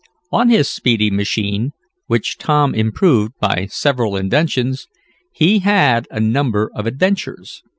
On his speedy machine, which Tom improved by several inventions, he had a number of adventures.